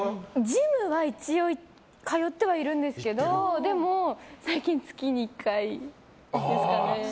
ジムは一応通ってはいるんですけどでも最近、月に１回ですかね。